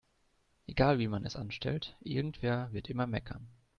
Egal wie man es anstellt, irgendwer wird immer meckern.